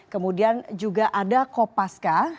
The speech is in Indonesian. kemudian juga ada kopaska